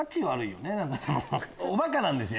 おバカなんですよ